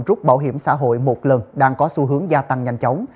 rút bảo hiểm xã hội một lần đang có xu hướng gia tăng nhanh chóng